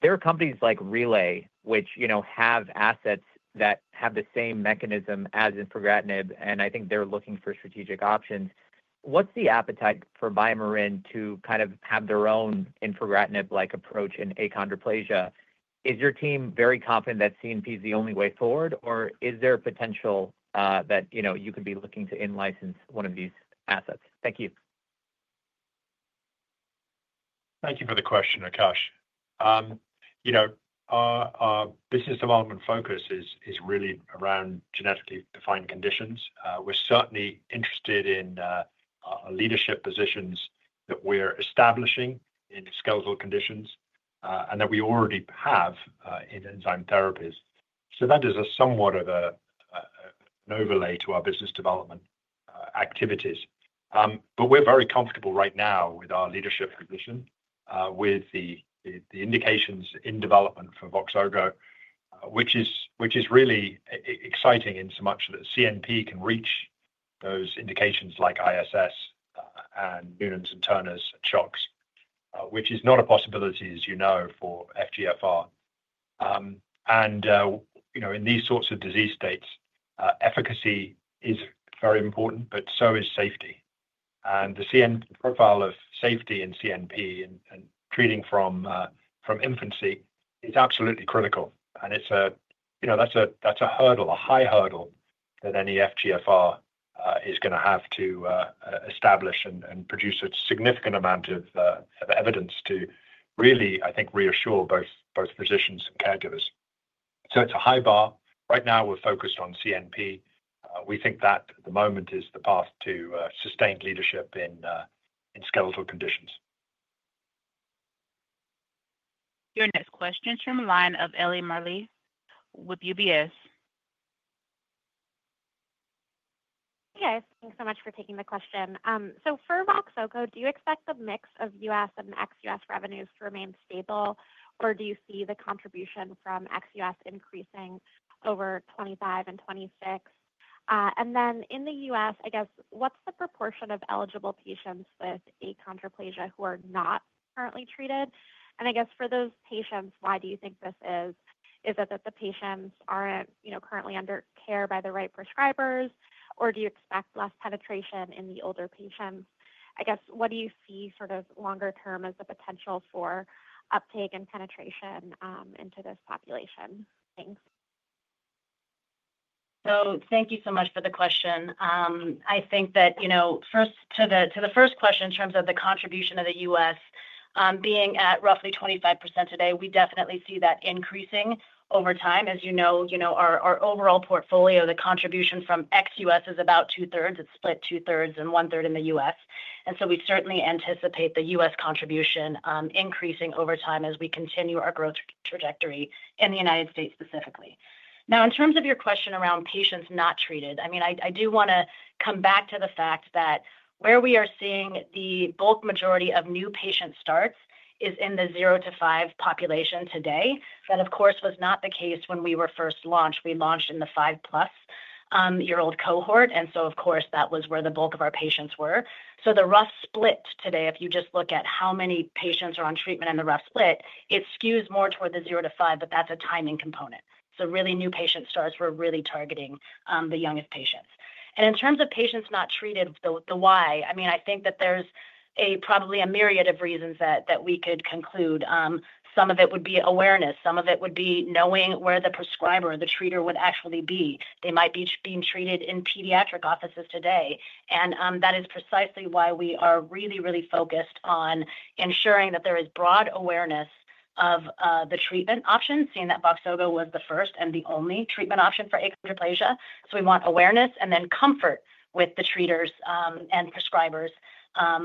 There are companies like Relay, which have assets that have the same mechanism as infigratinib, and I think they're looking for strategic options. What's the appetite for BioMarin to kind of have their own infigratinib-like approach in achondroplasia? Is your team very confident that CNP is the only way forward, or is there a potential that you could be looking to in-license one of these assets? Thank you. Thank you for the question, Akash. Our business development focus is really around genetically defined conditions. We're certainly interested in leadership positions that we're establishing in skeletal conditions and that we already have in enzyme therapies. So that is somewhat of an overlay to our business development activities. But we're very comfortable right now with our leadership position, with the indications in development for Voxzogo, which is really exciting in so much that CNP can reach those indications like ISS and Noonan’s and Turner’s, SHOX which is not a possibility, as you know, for FGFR. And in these sorts of disease states, efficacy is very important, but so is safety. And the profile of safety in CNP and treating from infancy is absolutely critical. That's a hurdle, a high hurdle that any FGFR is going to have to establish and produce a significant amount of evidence to really, I think, reassure both physicians and caregivers. So it's a high bar. Right now, we're focused on CNP. We think that at the moment is the path to sustained leadership in skeletal conditions. Your next question is from the line of Ellie Merle with UBS. Okay. Thanks so much for taking the question. So for Voxzogo, do you expect the mix of U.S. and ex-U.S. revenues to remain stable, or do you see the contribution from ex-U.S. increasing over 2025 and 2026? And then in the U.S., I guess, what's the proportion of eligible patients with achondroplasia who are not currently treated? And I guess for those patients, why do you think this is? Is it that the patients aren't currently under care by the right prescribers, or do you expect less penetration in the older patients? I guess, what do you see sort of longer term as the potential for uptake and penetration into this population? Thanks. So thank you so much for the question. I think that first to the first question in terms of the contribution of the U.S. being at roughly 25% today, we definitely see that increasing over time. As you know, our overall portfolio, the contribution from ex-U.S. is about 2/3. It's split 2/3 and 1/3 in the U.S. And so we certainly anticipate the U.S. contribution increasing over time as we continue our growth trajectory in the United States specifically. Now, in terms of your question around patients not treated, I mean, I do want to come back to the fact that where we are seeing the bulk majority of new patient starts is in the 0 to 5 years old population today. That, of course, was not the case when we were first launched. We launched in the 5-plus-year-old cohort. Of course, that was where the bulk of our patients were. The rough split today, if you just look at how many patients are on treatment and the rough split, it skews more toward the 0 to 5 years old, but that's a timing component. Really, new patient starts, we're really targeting the youngest patients. In terms of patients not treated, the why, I mean, I think that there's probably a myriad of reasons that we could conclude. Some of it would be awareness. Some of it would be knowing where the prescriber or the treater would actually be. They might be being treated in pediatric offices today. That is precisely why we are really, really focused on ensuring that there is broad awareness of the treatment option, seeing that Voxzogo was the first and the only treatment option for achondroplasia. So we want awareness and then comfort with the treaters and prescribers.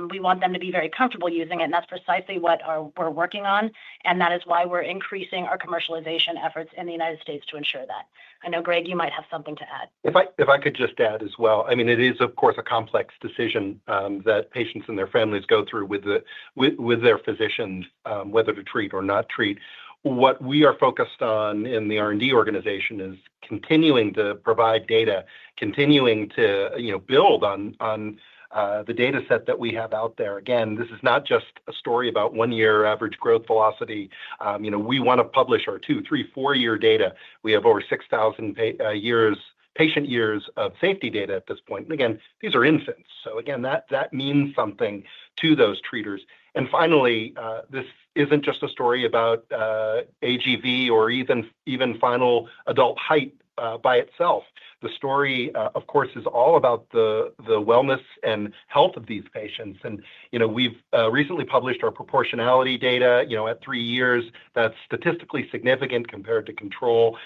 We want them to be very comfortable using it. And that's precisely what we're working on. And that is why we're increasing our commercialization efforts in the United States to ensure that. I know, Greg, you might have something to add. If I could just add as well. I mean, it is, of course, a complex decision that patients and their families go through with their physicians, whether to treat or not treat. What we are focused on in the R&D organization is continuing to provide data, continuing to build on the dataset that we have out there. Again, this is not just a story about one-year annualized growth velocity. We want to publish our two, three, four-year data. We have over 6,000 patient years of safety data at this point. And again, these are infants. So again, that means something to those treaters. And finally, this isn't just a story about AGV or even final adult height by itself. The story, of course, is all about the wellness and health of these patients. And we've recently published our proportionality data at three years. That's statistically significant compared to control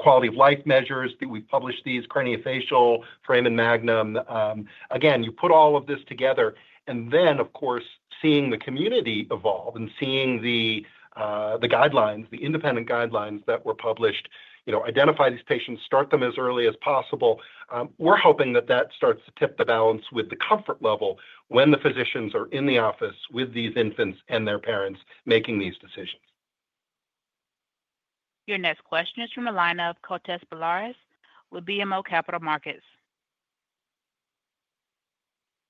quality of life measures. We've published these craniofacial, foramen magnum. Again, you put all of this together, and then, of course, seeing the community evolve and seeing the guidelines, the independent guidelines that were published, identify these patients, start them as early as possible. We're hoping that that starts to tip the balance with the comfort level when the physicians are in the office with these infants and their parents making these decisions. Your next question is from the line of Kostas Biliouris with BMO Capital Markets.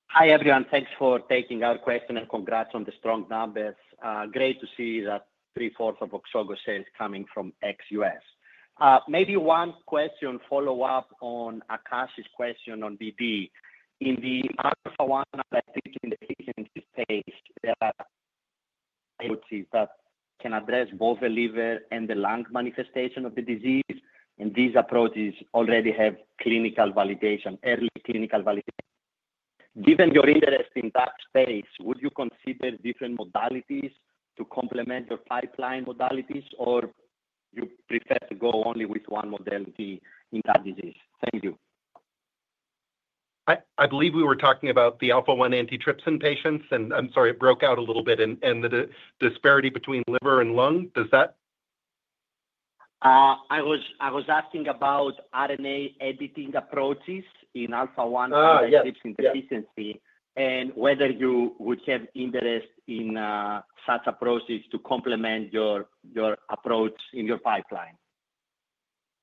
Hi, everyone. Thanks for taking our question and congrats on the strong numbers. Great to see that three-fourths of Voxzogo sales coming from ex-US. Maybe one question follow-up on Akash's question on BD. In the Alpha-1, I think in the editing space, there are approaches that can address both the liver and the lung manifestation of the disease. And these approaches already have early clinical validation. Given your interest in that space, would you consider different modalities to complement your pipeline modalities, or you prefer to go only with one modality in that disease? Thank you. I believe we were talking about the Alpha-1 antitrypsin patients. I'm sorry, it broke out a little bit. The disparity between liver and lung, does that? I was asking about RNA editing approaches in Alpha-1 antitrypsin deficiency and whether you would have interest in such approaches to complement your approach in your pipeline.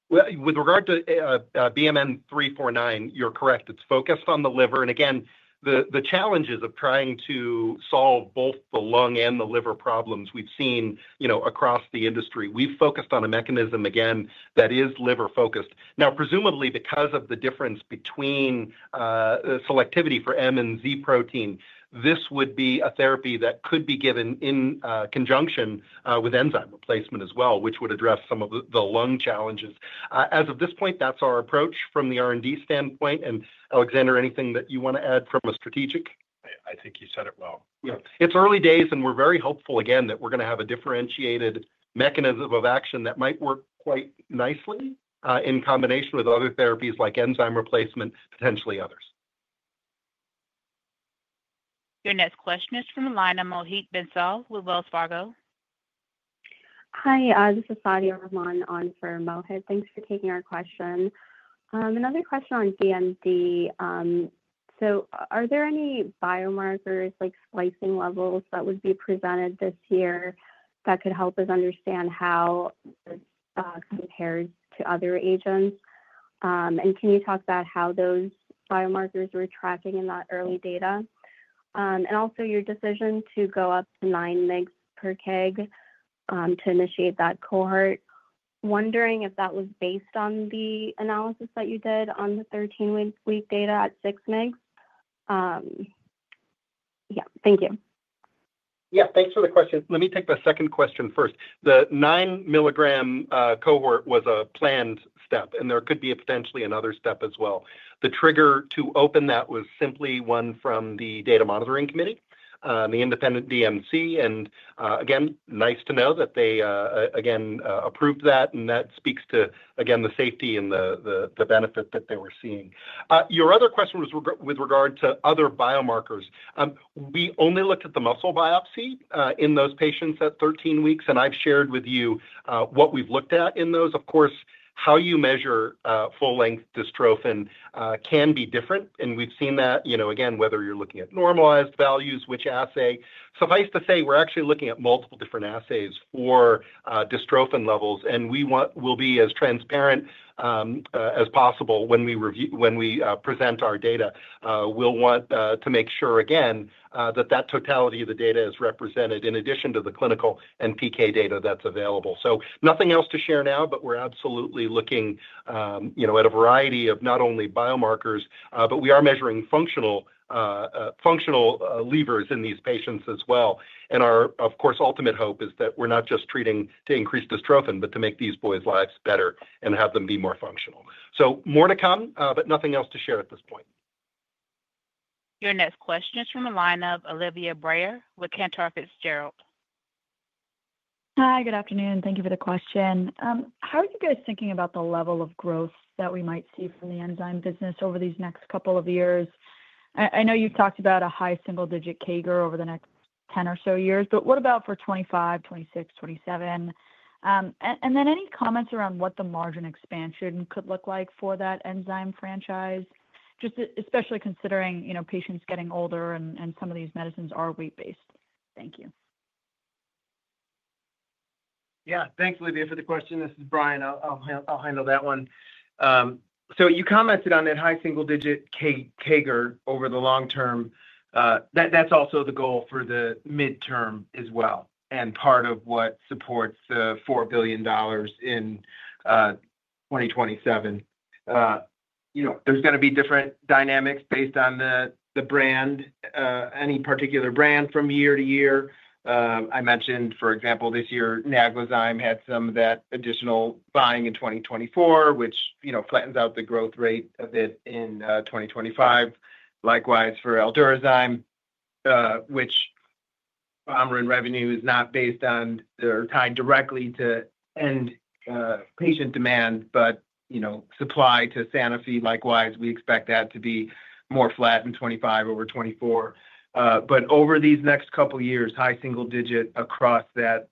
With regard to BMN 349, you're correct. It's focused on the liver. And again, the challenges of trying to solve both the lung and the liver problems we've seen across the industry. We've focused on a mechanism, again, that is liver-focused. Now, presumably, because of the difference between selectivity for M and Z protein, this would be a therapy that could be given in conjunction with enzyme replacement as well, which would address some of the lung challenges. As of this point, that's our approach from the R&D standpoint. And Alexander, anything that you want to add from a strategic? I think you said it well. It's early days, and we're very hopeful, again, that we're going to have a differentiated mechanism of action that might work quite nicely in combination with other therapies like enzyme replacement, potentially others. Your next question is from the line of Mohit Bansal with Wells Fargo. Hi, this is Sadia Rahman on for Mohit. Thanks for taking our question. Another question on DMD. So are there any biomarkers like splicing levels that would be presented this year that could help us understand how this compares to other agents? And can you talk about how those biomarkers were tracking in that early data? And also your decision to go up to 9mg/kg to initiate that cohort, wondering if that was based on the analysis that you did on the 13-week data at 6mg/kg. Yeah, thank you. Yeah, thanks for the question. Let me take the second question first. The 9mg cohort was a planned step, and there could be potentially another step as well. The trigger to open that was simply one from the data monitoring committee, the independent DMC, and again, nice to know that they again approved that, and that speaks to, again, the safety and the benefit that they were seeing. Your other question was with regard to other biomarkers. We only looked at the muscle biopsy in those patients at 13 weeks, and I've shared with you what we've looked at in those. Of course, how you measure full-length dystrophin can be different, and we've seen that, again, whether you're looking at normalized values, which assay. Suffice to say, we're actually looking at multiple different assays for dystrophin levels, and we will be as transparent as possible when we present our data. We'll want to make sure, again, that that totality of the data is represented in addition to the clinical and PK data that's available, so nothing else to share now, but we're absolutely looking at a variety of not only biomarkers, but we are measuring functional levers in these patients as well, and our, of course, ultimate hope is that we're not just treating to increase dystrophin, but to make these boys' lives better and have them be more functional, so more to come, but nothing else to share at this point. Your next question is from the line of Olivia Brayer with Cantor Fitzgerald. Hi, good afternoon. Thank you for the question. How are you guys thinking about the level of growth that we might see from the enzyme business over these next couple of years? I know you talked about a high single-digit CAGR over the next 10 or so years, but what about for 2025, 2026, 2027? And then any comments around what the margin expansion could look like for that enzyme franchise, just especially considering patients getting older and some of these medicines are weight-based? Thank you. Yeah, thanks, Olivia, for the question. This is Brian. I'll handle that one. So you commented on that high single-digit CAGR over the long term. That's also the goal for the midterm as well and part of what supports the $4 billion in 2027. There's going to be different dynamics based on the brand, any particular brand from year-to-year. I mentioned, for example, this year, Naglazyme had some of that additional buying in 2024, which flattens out the growth rate a bit in 2025. Likewise, for Aldurazyme, which BioMarin revenue is not based on or tied directly to end patient demand, but supply to Sanofi. Likewise, we expect that to be more flat in 2025 over 2024. But over these next couple of years, high single-digit across that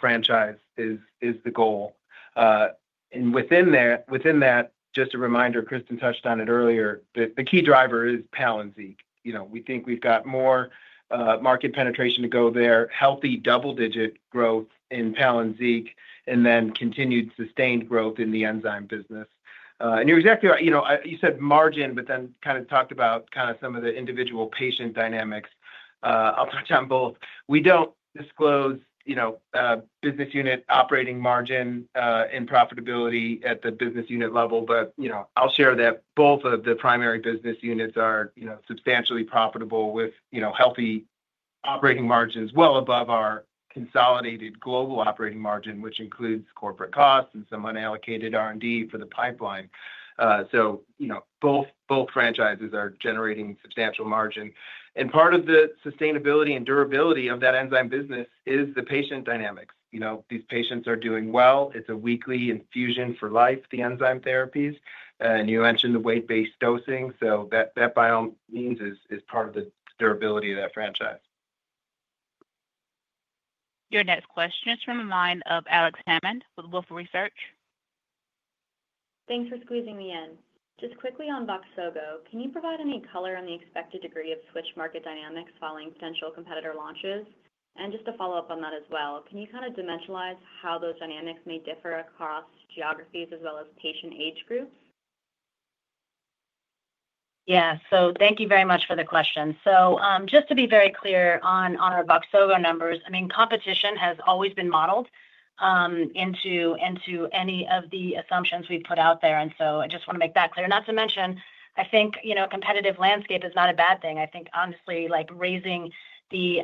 franchise is the goal. And within that, just a reminder, Cristin touched on it earlier, the key driver is Palynziq. We think we've got more market penetration to go there, healthy double-digit growth in Palynziq, and then continued sustained growth in the enzyme business. And you're exactly right. You said margin, but then kind of talked about kind of some of the individual patient dynamics. I'll touch on both. We don't disclose business unit operating margin and profitability at the business unit level, but I'll share that both of the primary business units are substantially profitable with healthy operating margins well above our consolidated global operating margin, which includes corporate costs and some unallocated R&D for the pipeline. So both franchises are generating substantial margin. And part of the sustainability and durability of that enzyme business is the patient dynamics. These patients are doing well. It's a weekly infusion for life, the enzyme therapies. And you mentioned the weight-based dosing. So that by all means is part of the durability of that franchise. Your next question is from a line of Alex Hammond with Wolfe Research. Thanks for squeezing me in. Just quickly on Voxzogo, can you provide any color on the expected degree of switch market dynamics following potential competitor launches? And just to follow up on that as well, can you kind of dimensionalize how those dynamics may differ across geographies as well as patient age groups? Yeah, so thank you very much for the question. So just to be very clear on our Voxzogo numbers, I mean, competition has always been modeled into any of the assumptions we've put out there. And so I just want to make that clear. Not to mention, I think a competitive landscape is not a bad thing. I think, honestly, raising the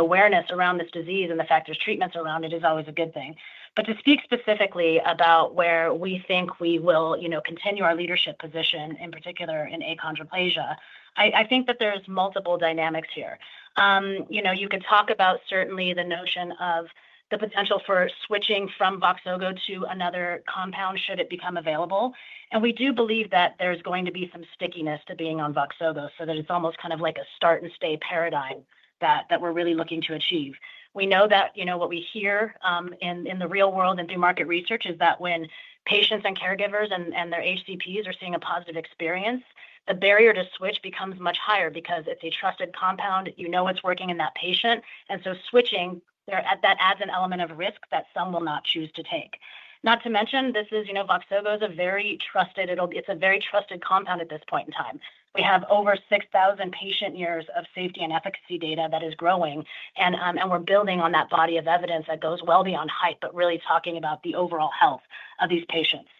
awareness around this disease and the effective treatments around it is always a good thing. But to speak specifically about where we think we will continue our leadership position, in particular in achondroplasia, I think that there's multiple dynamics here. You could talk about certainly the notion of the potential for switching from Voxzogo to another compound should it become available. We do believe that there's going to be some stickiness to being on Voxzogo so that it's almost kind of like a start-and-stay paradigm that we're really looking to achieve. We know that what we hear in the real world and through market research is that when patients and caregivers and their HCPs are seeing a positive experience, the barrier to switch becomes much higher because it's a trusted compound. You know it's working in that patient. And so switching, that adds an element of risk that some will not choose to take. Not to mention, this is Voxzogo. It's a very trusted compound at this point in time. We have over 6,000 patient years of safety and efficacy data that is growing. We're building on that body of evidence that goes well beyond height, but really talking about the overall health of these patients.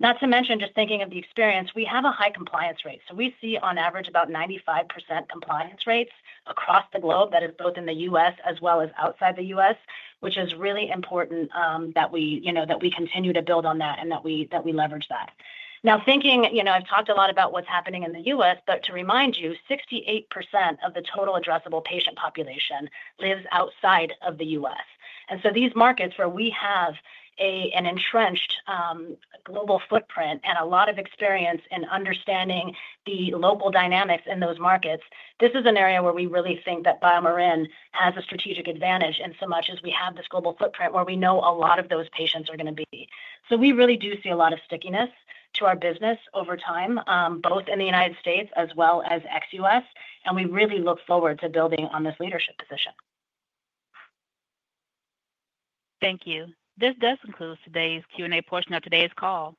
Not to mention, just thinking of the experience, we have a high compliance rate. So we see on average about 95% compliance rates across the globe, that is both in the U.S. as well as outside the U.S., which is really important that we continue to build on that and that we leverage that. Now, thinking I've talked a lot about what's happening in the U.S., but to remind you, 68% of the total addressable patient population lives outside of the U.S. And so these markets where we have an entrenched global footprint and a lot of experience in understanding the local dynamics in those markets, this is an area where we really think that BioMarin has a strategic advantage in so much as we have this global footprint where we know a lot of those patients are going to be. So we really do see a lot of stickiness to our business over time, both in the United States as well as ex-U.S. And we really look forward to building on this leadership position. Thank you. This does conclude today's Q&A portion of today's call.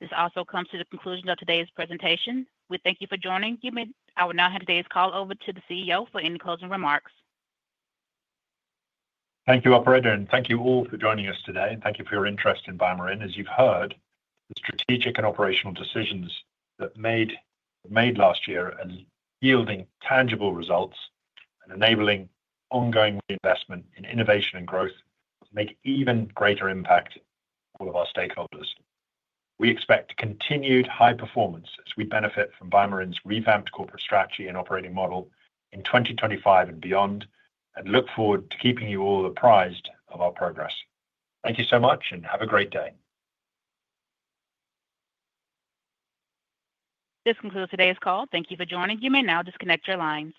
This also comes to the conclusion of today's presentation. We thank you for joining. I will now hand today's call over to the CEO for any closing remarks. Thank you, operator. And thank you all for joining us today. And thank you for your interest in BioMarin. As you've heard, the strategic and operational decisions that were made last year are yielding tangible results and enabling ongoing reinvestment in innovation and growth to make even greater impact for all of our stakeholders. We expect continued high performance as we benefit from BioMarin's revamped corporate strategy and operating model in 2025 and beyond and look forward to keeping you all apprised of our progress. Thank you so much, and have a great day. This concludes today's call. Thank you for joining. You may now disconnect your lines.